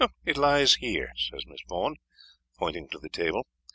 "It lies there," said Miss Vernon, pointing to the table.